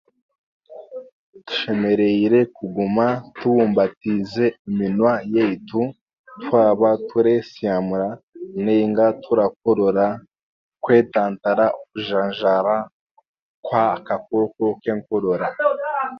Tushemereire kuguma tubumbatiize eminywa yaitu twaba tureesyamura nainga turakorora kwetantara okujanjaara kw'akakooko k'enkorora